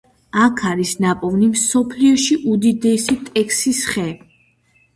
აქ არის ნაპოვნი მსოფლიოში უდიდესი ტექის ხე.